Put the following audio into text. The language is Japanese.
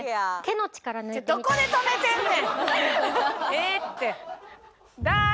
ええって。